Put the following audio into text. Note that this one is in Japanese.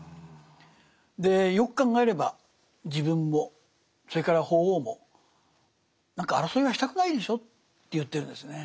でよく考えれば自分もそれから法皇も何か争いはしたくないでしょうと言ってるんですね。